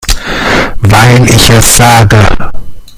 Weil ich es sage.